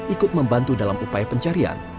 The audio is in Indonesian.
ikut membantu dalam upaya pencarian